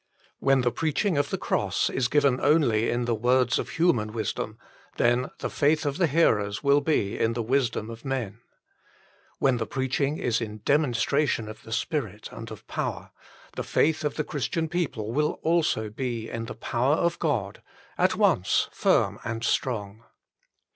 When the preaching of the Cross is given only in the words of human wisdom, then the faith of the hearers will be in the wisdom of men. When the preaching is in demonstration of the Spirit and of power, the faith of the Christian people will also be in the power of God, at once firm and strong.